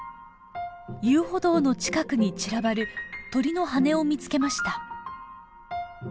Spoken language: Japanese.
遊歩道の近くに散らばる鳥の羽を見つけました。